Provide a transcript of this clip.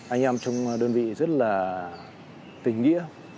anh em trong đơn vị rất là tình nghĩa